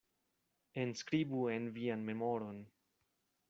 Enskribu en vian memoron.